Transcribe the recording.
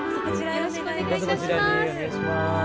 よろしくお願いします。